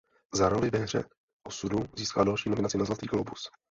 Za roli ve "Hře osudu" získala další nominaci na Zlatý glóbus.